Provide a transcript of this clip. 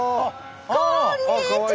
こんにちは！